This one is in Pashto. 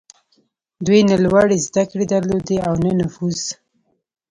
دوی نه لوړې زدهکړې درلودې او نه نفوذ.